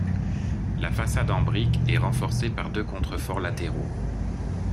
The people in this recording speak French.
La façade en brique est renforcée par deux contreforts latéraux.